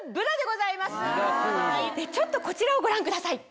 ちょっとこちらをご覧ください。